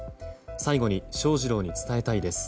最後に翔士郎に伝えたいです。